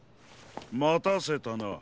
またせたな。